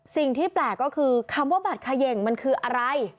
สิ่งที่แปลกก็คือคำว่าบัตรเขย่งมันคืออะไร